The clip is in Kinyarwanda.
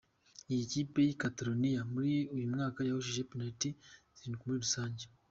Iyi kipe y’i Catalonia muri uyu mwaka yahushije penaliti zirindwi muri rusange.